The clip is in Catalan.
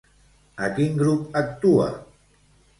A quin grup actua?